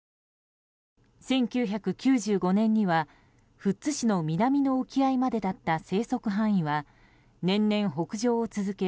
１９９５年には富津市の南の沖合までだった生息範囲は、年々北上を続け